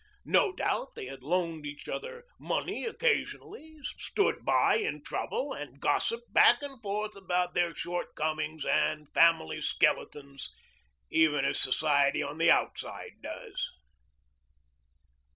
No doubt they had loaned each other money occasionally, stood by in trouble, and gossiped back and forth about their shortcomings and family skeletons even as society on the outside does.